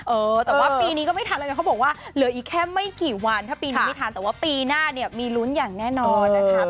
เออแต่ว่าปีนี้ก็ไม่ทันแล้วไงเขาบอกว่าเหลืออีกแค่ไม่กี่วันถ้าปีนี้ไม่ทันแต่ว่าปีหน้าเนี่ยมีลุ้นอย่างแน่นอนนะคะ